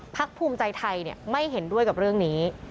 ภูมิใจไทยไม่เห็นด้วยกับเรื่องนี้